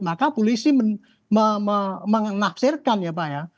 maka polisi menafsirkan ya pak ya